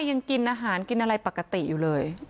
ยังกินอาหารกินอะไรปกติอยู่เลย